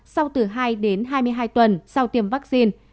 sau từ hai đến hai mươi hai tuần sau tiêm vaccine